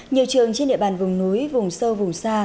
nhiều trường trên địa bàn vùng núi vùng sâu vùng xa